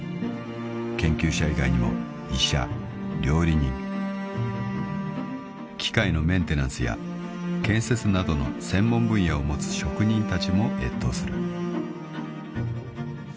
［研究者以外にも医者料理人機械のメンテナンスや建設などの専門分野を持つ職人たちも越冬する］